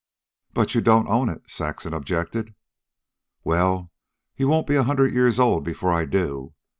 "But you don't own it," Saxon objected. "Well, you won't be a hundred years old before I do.